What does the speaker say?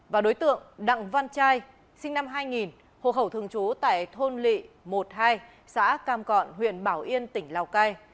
và đối tượng đặng văn trai sinh năm hai nghìn hộ khẩu thường trú tại thôn lị một hai xã cam cọn huyện bảo yên tỉnh lào cai